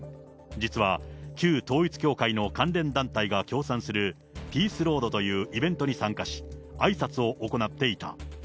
実は旧統一教会の関連団体が協賛するピースロードというイベントに参加し、あいさつを行っていた。